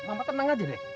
mama tenang aja deh